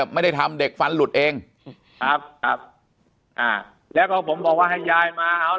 ไม่ได้ทำเด็กฟันหลุดเองครับแล้วก็ผมบอกว่าให้ยายมาแล้ว